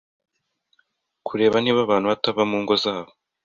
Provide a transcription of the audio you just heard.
kureba niba abantu batava mu ngo zabo